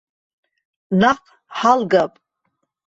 Наҟ ҳалгап!